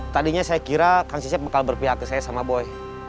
tadinya saya kira kancisnya bakal berpihak ke saya sama boy